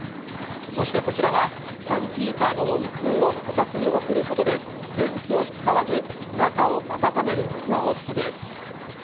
そしてこちらは、ファンヒーターの温風をこたつに送ることで、電気を使わず中を温めるホースです。